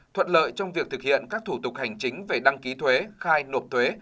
thuận lợi trong việc thực hiện các thủ tục hành chính về đăng ký thuế khai nộp thuế